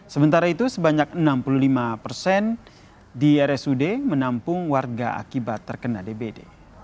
sementara itu sebanyak enam puluh lima persen di rsud menampung warga akibat terkena dbd